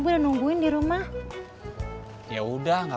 udah nungguin di rumah ya udah nggak